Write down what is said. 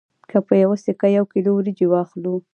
که په یوه سکه یو کیلو وریجې واخلو